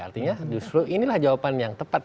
artinya justru inilah jawaban yang tepat